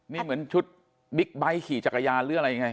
นี่เหมือนชุดบิ๊กไบท์ขี่จักรยานหรืออะไรยังไง